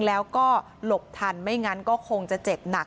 แล้วก็หลบทันไม่งั้นก็คงจะเจ็บหนัก